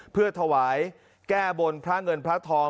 เพื่อถวายแก้บนพระเงินพระทอง